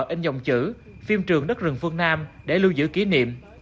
in dòng chữ phim trường đất rừng phương nam để lưu giữ kỷ niệm